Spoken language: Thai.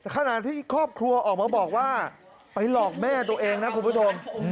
ขณะที่ครอบครัวออกมาบอกว่าไปหลอกแม่ตัวเองนะคุณผู้ชม